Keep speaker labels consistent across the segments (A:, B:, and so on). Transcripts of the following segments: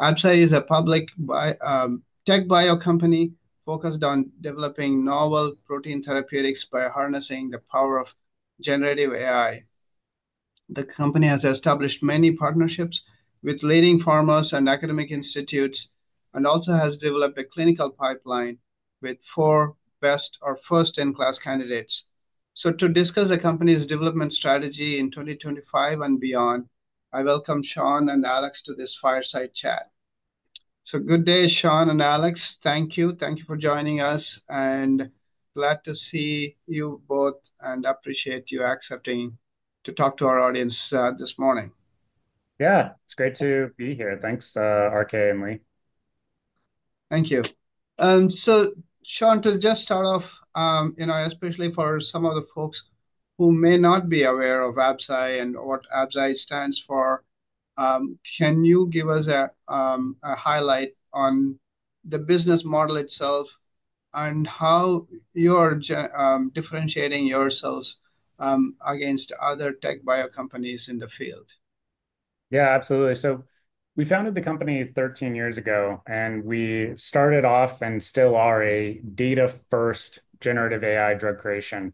A: Absci is a public TechBio company focused on developing novel protein therapeutics by harnessing the power of generative AI. The company has established many partnerships with leading pharma and academic institutes, and also has developed a clinical pipeline with four best or first-in-class candidates. To discuss the company's development strategy in 2025 and beyond, I welcome Sean and Alex to this fireside chat. Good day, Sean and Alex. Thank you. Thank you for joining us, and glad to see you both and appreciate you accepting to talk to our audience this morning.
B: Yeah, it's great to be here. Thanks, RK and Marie.
A: Thank you. Sean, to just start off, you know, especially for some of the folks who may not be aware of Absci and what Absci stands for, can you give us a highlight on the business model itself and how you're differentiating yourselves against other TechBio companies in the field?
B: Yeah, absolutely. We founded the company 13 years ago, and we started off and still are a data-first generative AI drug creation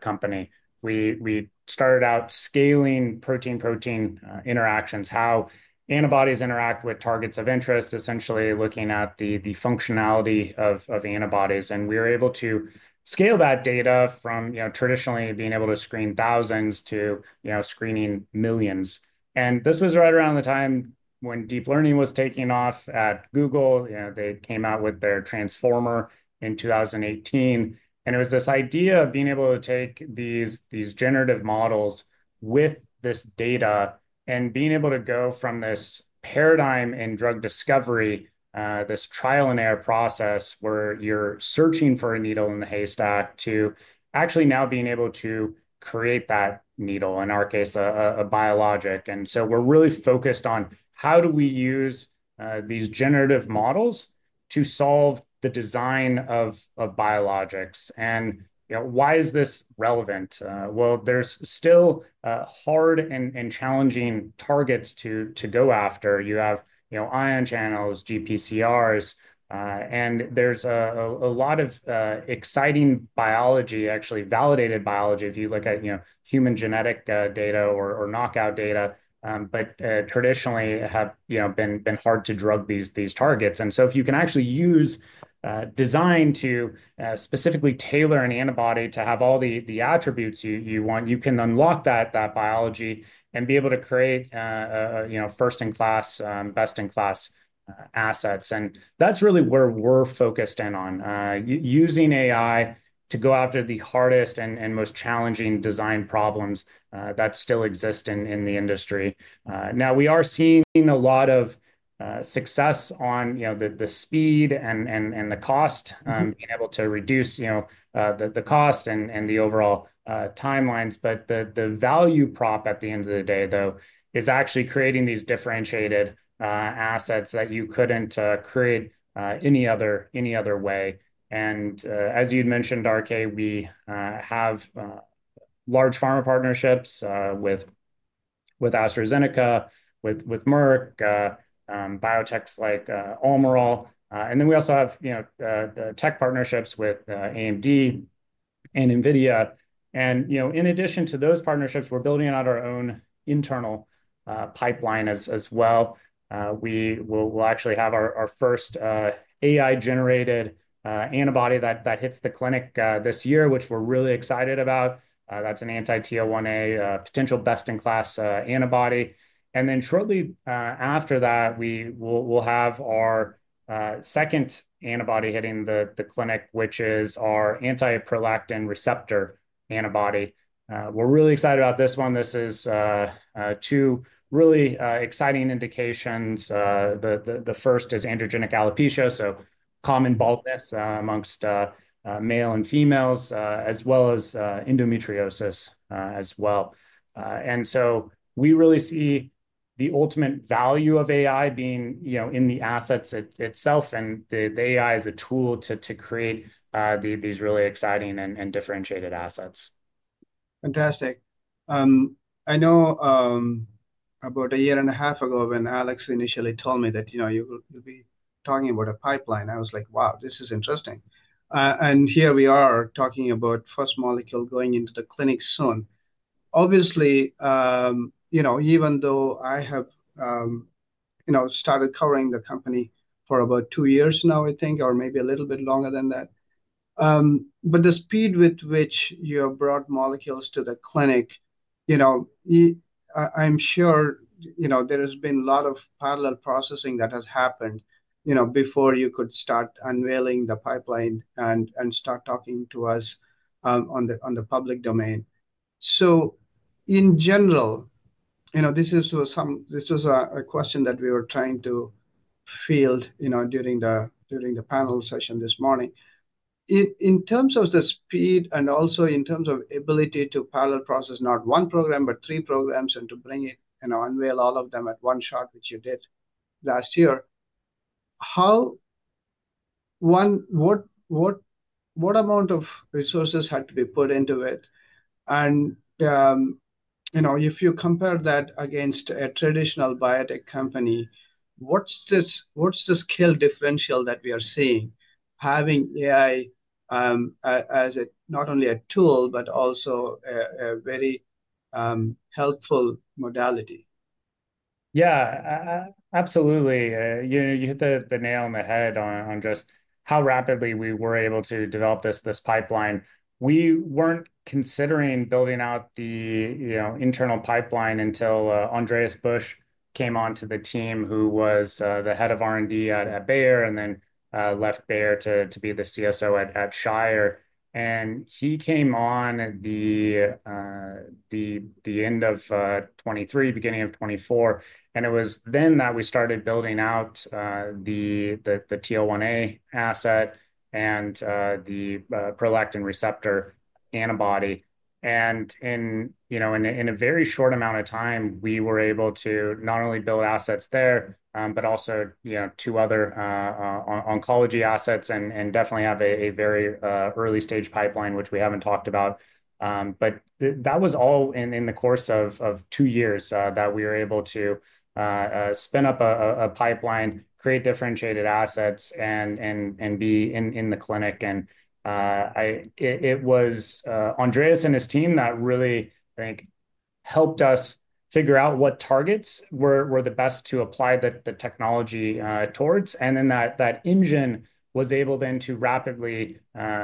B: company. We started out scaling protein-protein interactions, how antibodies interact with targets of interest, essentially looking at the functionality of antibodies. We were able to scale that data from, you know, traditionally being able to screen thousands to, you know, screening millions. This was right around the time when deep learning was taking off at Google. You know, they came out with their transformer in 2018. It was this idea of being able to take these generative models with this data and being able to go from this paradigm in drug discovery, this trial-and-error process where you're searching for a needle in the haystack, to actually now being able to create that needle, in our case, a biologic. We are really focused on how do we use these generative models to solve the design of biologics. You know, why is this relevant? There are still hard and challenging targets to go after. You have, you know, ion channels, GPCRs, and there is a lot of exciting biology, actually validated biology, if you look at, you know, human genetic data or knockout data. Traditionally, it has, you know, been hard to drug these targets. If you can actually use design to specifically tailor an antibody to have all the attributes you want, you can unlock that biology and be able to create, you know, first-in-class, best-in-class assets. That is really where we are focused in on, using AI to go after the hardest and most challenging design problems that still exist in the industry. Now, we are seeing a lot of success on, you know, the speed and the cost, being able to reduce, you know, the cost and the overall timelines. The value prop at the end of the day, though, is actually creating these differentiated assets that you couldn't create any other way. As you'd mentioned, RK, we have large pharma partnerships with AstraZeneca, with Merck, biotechs like Almirall. We also have, you know, tech partnerships with AMD and NVIDIA. You know, in addition to those partnerships, we're building out our own internal pipeline as well. We will actually have our first AI-generated antibody that hits the clinic this year, which we're really excited about. That's an anti-TL1A potential best-in-class antibody. Shortly after that, we will have our second antibody hitting the clinic, which is our anti-prolactin receptor antibody. We're really excited about this one. This is two really exciting indications. The first is androgenetic alopecia, so common baldness amongst male and females, as well as endometriosis as well. We really see the ultimate value of AI being, you know, in the assets itself, and the AI is a tool to create these really exciting and differentiated assets.
A: Fantastic. I know about a year and a half ago when Alex initially told me that, you know, you'll be talking about a pipeline. I was like, wow, this is interesting. Here we are talking about first molecule going into the clinic soon. Obviously, you know, even though I have, you know, started covering the company for about two years now, I think, or maybe a little bit longer than that. The speed with which you have brought molecules to the clinic, you know, I'm sure, you know, there has been a lot of parallel processing that has happened, you know, before you could start unveiling the pipeline and start talking to us on the public domain. In general, you know, this is a question that we were trying to field, you know, during the panel session this morning. In terms of the speed and also in terms of ability to parallel process not one program, but three programs, and to bring it and unveil all of them at one shot, which you did last year, what amount of resources had to be put into it? You know, if you compare that against a traditional biotech company, what's the skill differential that we are seeing having AI as not only a tool, but also a very helpful modality?
B: Yeah, absolutely. You hit the nail on the head on just how rapidly we were able to develop this pipeline. We were not considering building out the internal pipeline until Andreas Busch came on to the team, who was the head of R&D at Bayer, and then left Bayer to be the CSO at Absci. He came on at the end of 2023, beginning of 2024. It was then that we started building out the TL1A asset and the prolactin receptor antibody. In a very short amount of time, we were able to not only build assets there, but also, you know, two other oncology assets and definitely have a very early-stage pipeline, which we have not talked about. That was all in the course of two years that we were able to spin up a pipeline, create differentiated assets, and be in the clinic. It was Andreas and his team that really, I think, helped us figure out what targets were the best to apply the technology towards. That engine was able then to rapidly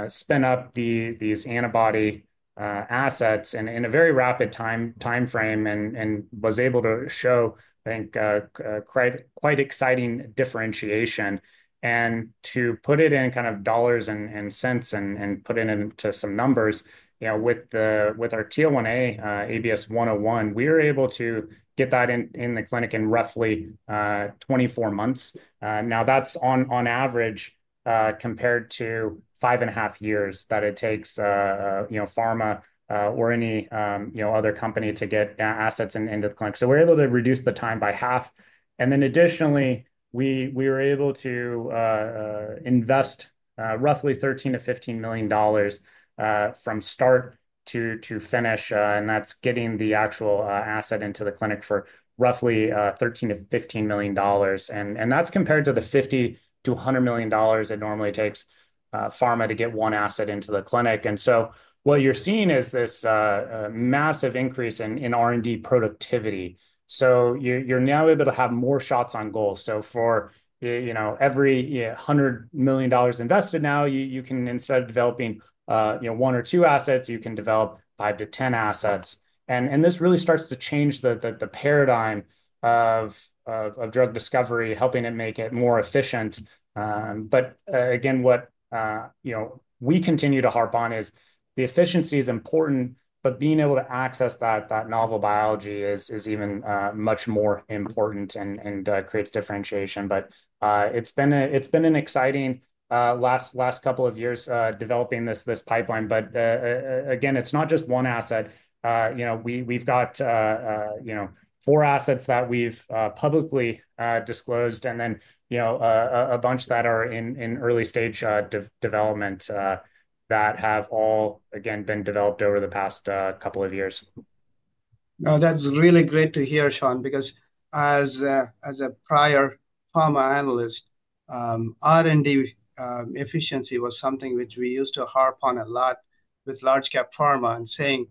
B: spin up these antibody assets in a very rapid time frame and was able to show, I think, quite exciting differentiation. To put it in kind of dollars and cents and put it into some numbers, you know, with our TL1A ABS-101, we were able to get that in the clinic in roughly 24 months. Now, that's on average compared to five and a half years that it takes, you know, pharma or any, you know, other company to get assets into the clinic. We are able to reduce the time by half. Additionally, we were able to invest roughly $13 million-$15 million from start to finish. That's getting the actual asset into the clinic for roughly $13 million-$15 million. That's compared to the $50 million-$100 million it normally takes pharma to get one asset into the clinic. What you're seeing is this massive increase in R&D productivity. You're now able to have more shots on goal. For every $100 million invested now, instead of developing one or two assets, you can develop five to ten assets. This really starts to change the paradigm of drug discovery, helping make it more efficient. What we continue to harp on is the efficiency is important, but being able to access that novel biology is even much more important and creates differentiation. It's been an exciting last couple of years developing this pipeline. Again, it's not just one asset. You know, we've got, you know, four assets that we've publicly disclosed and then, you know, a bunch that are in early-stage development that have all, again, been developed over the past couple of years.
A: That's really great to hear, Sean, because as a prior pharma analyst, R&D efficiency was something which we used to harp on a lot with large-cap pharma and saying,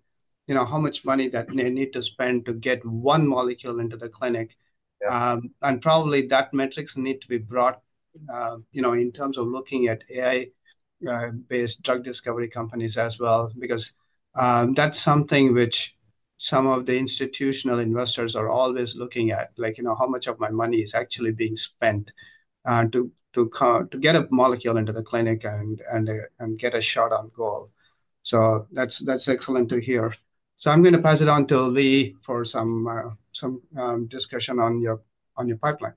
A: you know, how much money that they need to spend to get one molecule into the clinic. Probably that metrics need to be brought, you know, in terms of looking at AI-based drug discovery companies as well, because that's something which some of the institutional investors are always looking at, like, you know, how much of my money is actually being spent to get a molecule into the clinic and get a shot on goal. That's excellent to hear. I'm going to pass it on to Lee for some discussion on your pipeline.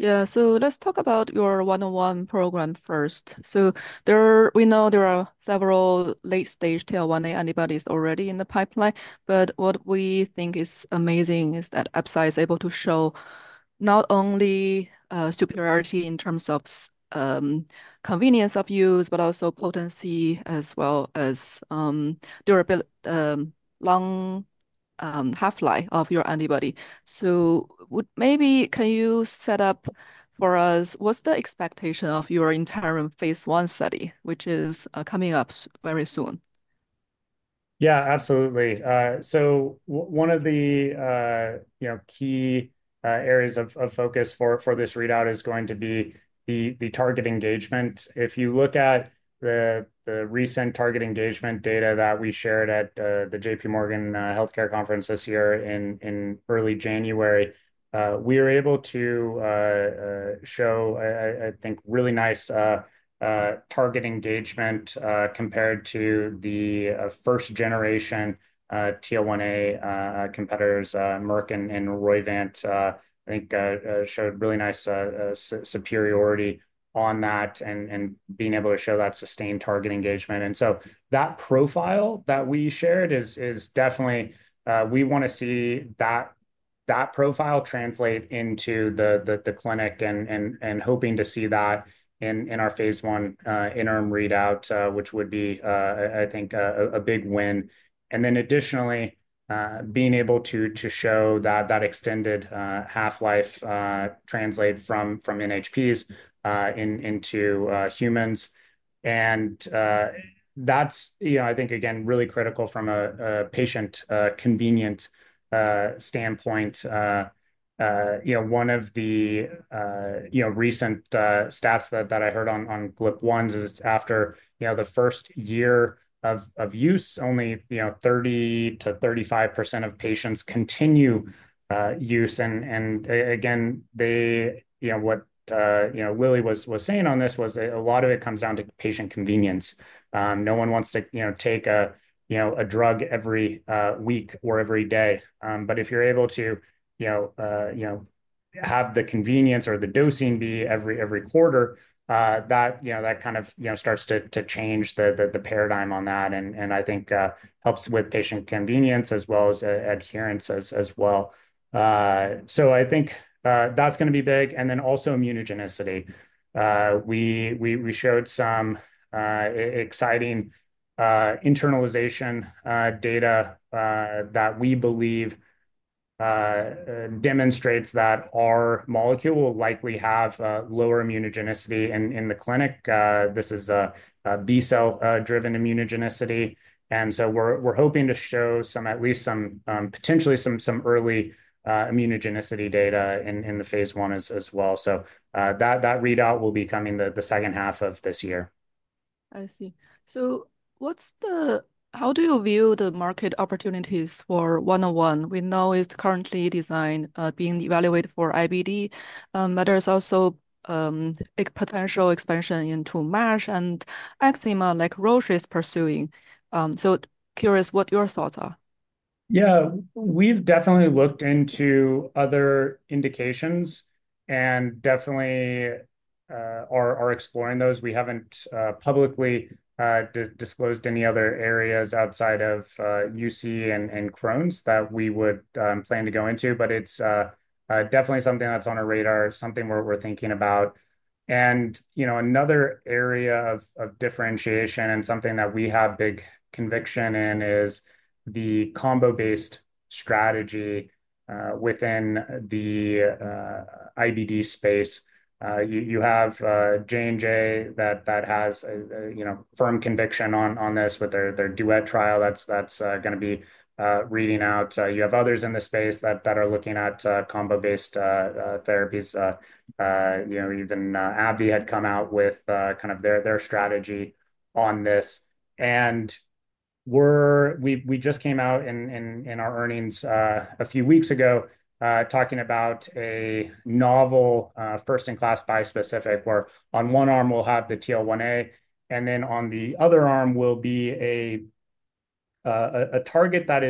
A: Yeah, let's talk about your 101 program first. We know there are several late-stage TL1A antibodies already in the pipeline. What we think is amazing is that Absci is able to show not only superiority in terms of convenience of use, but also potency as well as long half-life of your antibody. Maybe can you set up for us, what's the expectation of your interim phase one study, which is coming up very soon?
B: Yeah, absolutely. One of the, you know, key areas of focus for this readout is going to be the target engagement. If you look at the recent target engagement data that we shared at the JPMorgan Healthcare Conference this year in early January, we were able to show, I think, really nice target engagement compared to the first-generation TL1A competitors, Merck and Roivant. I think showed really nice superiority on that and being able to show that sustained target engagement. That profile that we shared is definitely, we want to see that profile translate into the clinic and hoping to see that in our phase one interim readout, which would be, I think, a big win. Additionally, being able to show that extended half-life translate from NHPs into humans. That is, you know, I think, again, really critical from a patient convenience standpoint. You know, one of the, you know, recent stats that I heard on GLP-1s is after, you know, the first year of use, only, you know, 30%-35% of patients continue use. You know, what, you know, Lilly was saying on this was a lot of it comes down to patient convenience. No one wants to, you know, take a drug every week or every day. If you're able to, you know, have the convenience or the dosing be every quarter, that, you know, that kind of, you know, starts to change the paradigm on that. I think helps with patient convenience as well as adherence as well. I think that's going to be big. Also immunogenicity. We showed some exciting internalization data that we believe demonstrates that our molecule will likely have lower immunogenicity in the clinic. This is a B-cell-driven immunogenicity. We are hoping to show some, at least some, potentially some early immunogenicity data in the phase one as well. That readout will be coming the second half of this year. I see. How do you view the market opportunities for 101? We know it's currently designed being evaluated for IBD. There is also a potential expansion into MASH and eczema like Roche is pursuing. Curious what your thoughts are. Yeah, we've definitely looked into other indications and definitely are exploring those. We haven't publicly disclosed any other areas outside of UC and Crohn's that we would plan to go into. It is definitely something that's on our radar, something we're thinking about. You know, another area of differentiation and something that we have big conviction in is the combo-based strategy within the IBD space. You have Johnson & Johnson that has, you know, firm conviction on this with their DUET trial that's going to be reading out. You have others in the space that are looking at combo-based therapies. You know, even AbbVie had come out with kind of their strategy on this. We just came out in our earnings a few weeks ago talking about a novel first-in-class bispecific where on one arm we'll have the TL1A, and then on the other arm will be a target that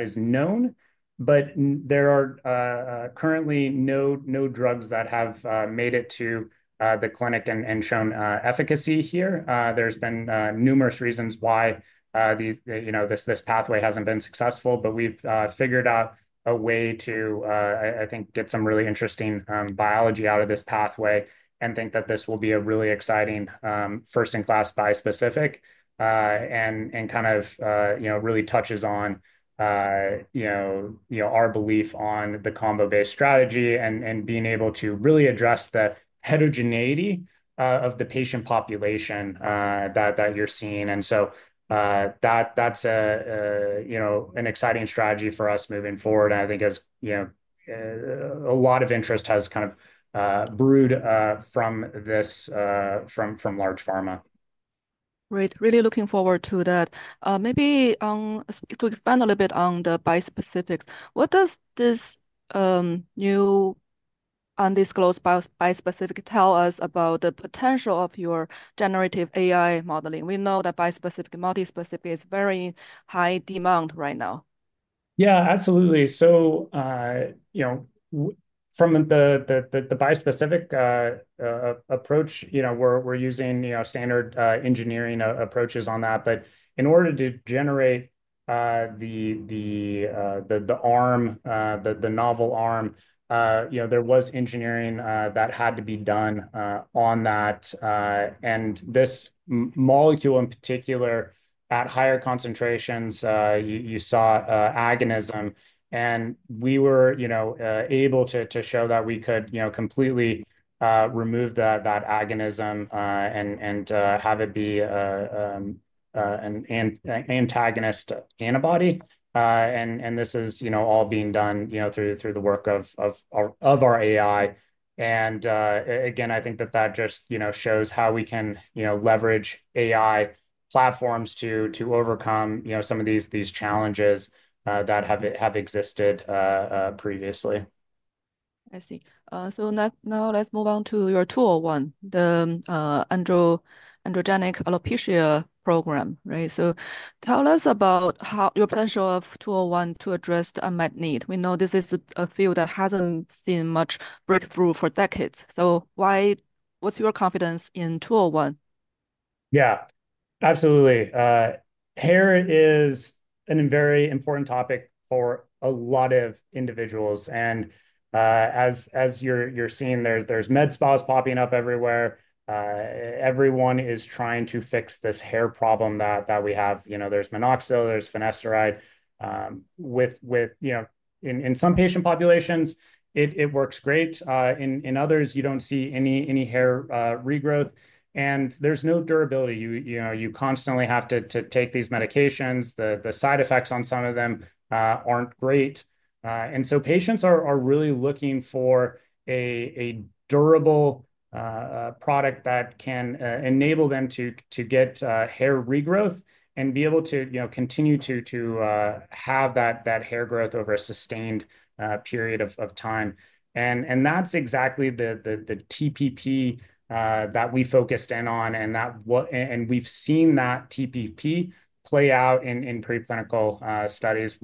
B: is known, but there are currently no drugs that have made it to the clinic and shown efficacy here. There have been numerous reasons why these, you know, this pathway hasn't been successful, but we've figured out a way to, I think, get some really interesting biology out of this pathway and think that this will be a really exciting first-in-class bispecific and kind of, you know, really touches on, you know, our belief on the combo-based strategy and being able to really address the heterogeneity of the patient population that you're seeing. That is, you know, an exciting strategy for us moving forward. I think, as you know, a lot of interest has kind of brewed from this from large pharma. Right. Really looking forward to that. Maybe to expand a little bit on the bispecifics, what does this new undisclosed bispecific tell us about the potential of your generative AI modeling? We know that bispecific and multispecific is very high demand right now. Yeah, absolutely. You know, from the bispecific approach, you know, we're using, you know, standard engineering approaches on that. In order to generate the arm, the novel arm, you know, there was engineering that had to be done on that. This molecule in particular, at higher concentrations, you saw agonism. We were, you know, able to show that we could, you know, completely remove that agonism and have it be an antagonist antibody. This is, you know, all being done, you know, through the work of our AI. Again, I think that that just, you know, shows how we can, you know, leverage AI platforms to overcome, you know, some of these challenges that have existed previously. I see. Now let's move on to your 201, the androgenetic alopecia program, right? Tell us about your potential of 201 to address the unmet need. We know this is a field that hasn't seen much breakthrough for decades. What's your confidence in 201? Yeah, absolutely. Hair is a very important topic for a lot of individuals. As you're seeing, there's med spas popping up everywhere. Everyone is trying to fix this hair problem that we have. You know, there's minoxidil, there's finasteride. With, you know, in some patient populations, it works great. In others, you don't see any hair regrowth. There's no durability. You constantly have to take these medications. The side effects on some of them aren't great. Patients are really looking for a durable product that can enable them to get hair regrowth and be able to, you know, continue to have that hair growth over a sustained period of time. That's exactly the TPP that we focused in on. We've seen that TPP play out in preclinical studies.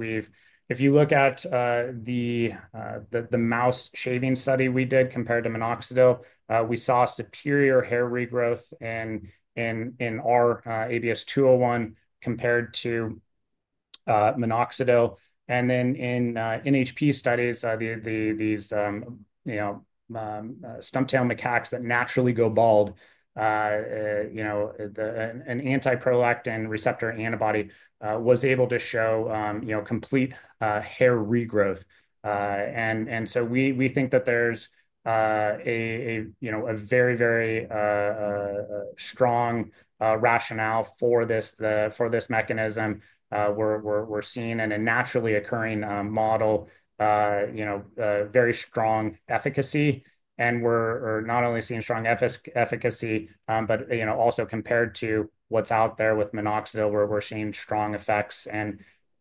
B: If you look at the mouse shaving study we did compared to minoxidil, we saw superior hair regrowth in our ABS-201 compared to minoxidil. In NHP studies, these, you know, stumptail macaques that naturally go bald, you know, an anti-prolactin receptor antibody was able to show, you know, complete hair regrowth. We think that there's a, you know, a very, very strong rationale for this mechanism. We're seeing in a naturally occurring model, you know, very strong efficacy. We're not only seeing strong efficacy, but, you know, also compared to what's out there with minoxidil, we're seeing strong effects.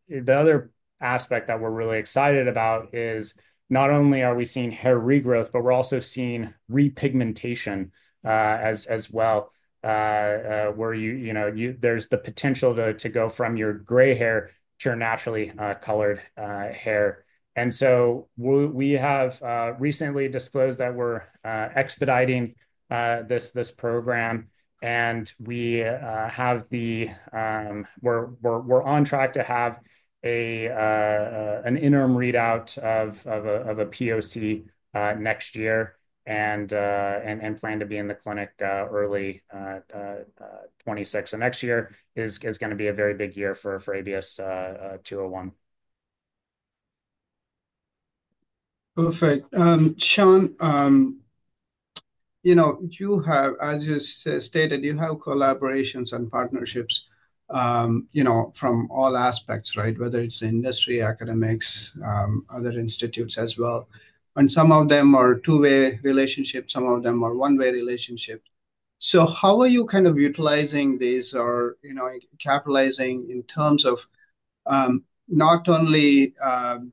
B: The other aspect that we're really excited about is not only are we seeing hair regrowth, but we're also seeing repigmentation as well, where you, you know, there's the potential to go from your gray hair to your naturally colored hair. We have recently disclosed that we're expediting this program. We are on track to have an interim readout of a POC next year and plan to be in the clinic early 2026. Next year is going to be a very big year for ABS-201.
A: Perfect. Sean, you know, you have, as you stated, you have collaborations and partnerships, you know, from all aspects, right? Whether it's industry, academics, other institutes as well. Some of them are two-way relationships. Some of them are one-way relationships. How are you kind of utilizing these or, you know, capitalizing in terms of not only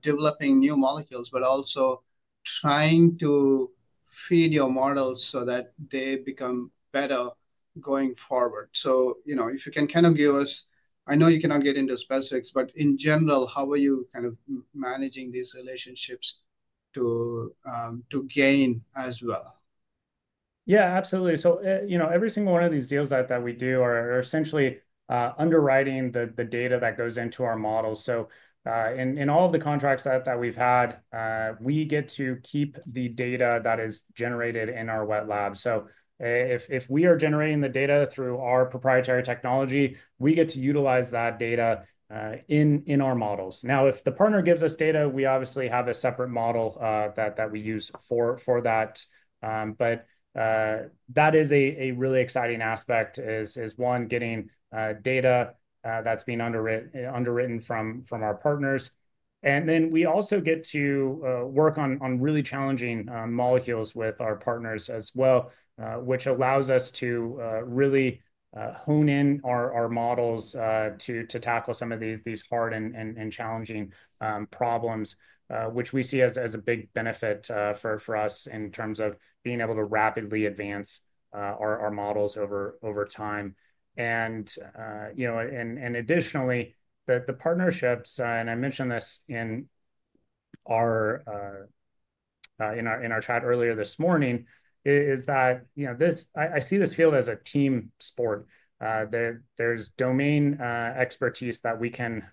A: developing new molecules, but also trying to feed your models so that they become better going forward? You know, if you can kind of give us, I know you cannot get into specifics, but in general, how are you kind of managing these relationships to gain as well?
B: Yeah, absolutely. You know, every single one of these deals that we do are essentially underwriting the data that goes into our models. In all of the contracts that we've had, we get to keep the data that is generated in our wet lab. If we are generating the data through our proprietary technology, we get to utilize that data in our models. Now, if the partner gives us data, we obviously have a separate model that we use for that. That is a really exciting aspect, one, getting data that's being underwritten from our partners. We also get to work on really challenging molecules with our partners as well, which allows us to really hone in our models to tackle some of these hard and challenging problems, which we see as a big benefit for us in terms of being able to rapidly advance our models over time. You know, additionally, the partnerships, and I mentioned this in our chat earlier this morning, is that, you know, I see this field as a team sport. There's domain expertise that we can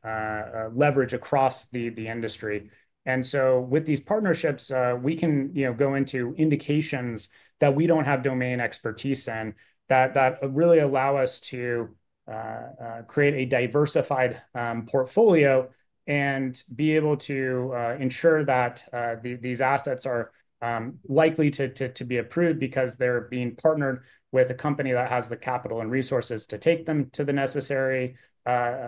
B: leverage across the industry. With these partnerships, we can, you know, go into indications that we do not have domain expertise in that really allow us to create a diversified portfolio and be able to ensure that these assets are likely to be approved because they are being partnered with a company that has the capital and resources to take them to the necessary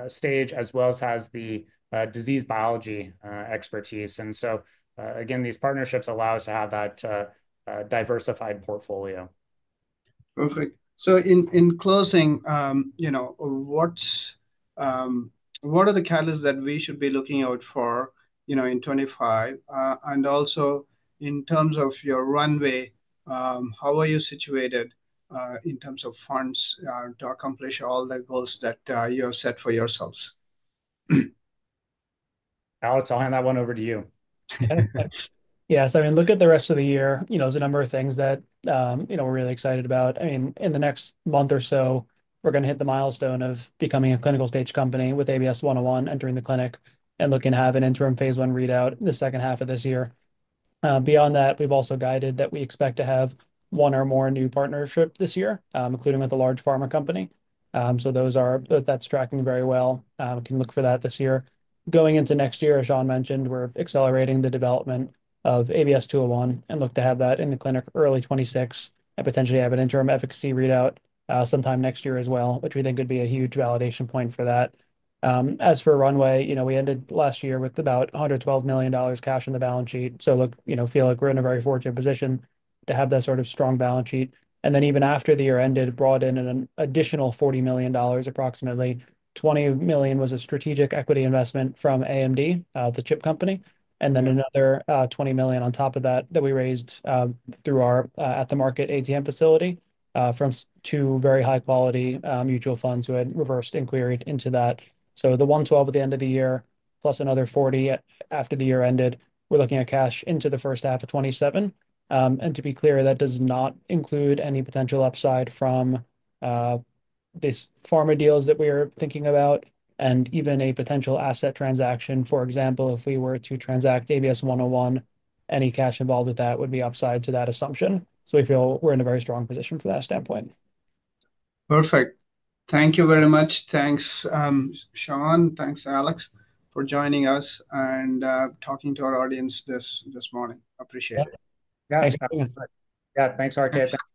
B: stage, as well as has the disease biology expertise. These partnerships allow us to have that diversified portfolio.
A: Perfect. In closing, you know, what are the catalysts that we should be looking out for, you know, in 2025? Also, in terms of your runway, how are you situated in terms of funds to accomplish all the goals that you have set for yourselves?
B: Alex, I'll hand that one over to you.
C: Yes. I mean, look at the rest of the year. You know, there's a number of things that, you know, we're really excited about. I mean, in the next month or so, we're going to hit the milestone of becoming a clinical stage company with ABS-101 entering the clinic and looking to have an interim phase one readout in the second half of this year. Beyond that, we've also guided that we expect to have one or more new partnerships this year, including with a large pharma company. That's tracking very well. We can look for that this year. Going into next year, as Sean mentioned, we're accelerating the development of ABS-201 and look to have that in the clinic early 2026 and potentially have an interim efficacy readout sometime next year as well, which we think would be a huge validation point for that. As for runway, you know, we ended last year with about $112 million cash on the balance sheet. You know, feel like we're in a very fortunate position to have that sort of strong balance sheet. Even after the year ended, brought in an additional $40 million, approximately $20 million was a strategic equity investment from AMD, the chip company. Another $20 million on top of that that we raised through our at-the-market ATM facility from two very high-quality mutual funds who had reverse inquiry into that. The $112 million at the end of the year, plus another $40 million after the year ended, we're looking at cash into the first half of 2027. To be clear, that does not include any potential upside from these pharma deals that we are thinking about and even a potential asset transaction. For example, if we were to transact ABS-101, any cash involved with that would be upside to that assumption. We feel we're in a very strong position from that standpoint.
A: Perfect. Thank you very much. Thanks, Sean. Thanks, Alex, for joining us and talking to our audience this morning. Appreciate it.
B: Yeah, thanks, Martin. Yeah, thanks, RK. Thank you.